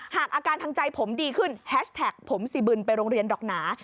อาการทางใจผมดีขึ้นแฮชแท็กผมซีบึนไปโรงเรียนดอกหนา